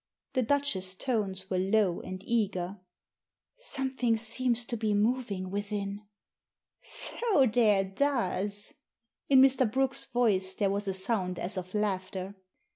The Duchess's tones were low and eager. " Something seems to be moving within." " So there does." In Mr. Brooke's voice there was a sound as of laughter.